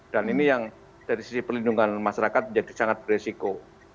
dan ini yang dari sisi perlindungan masyarakat menjadi sangat beresiko